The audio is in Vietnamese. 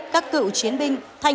các cựu chiến binh